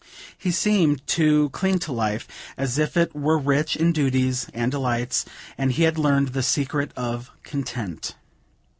He seemed to cling to life, as if it were rich in duties and delights, and he had learned the secret of content.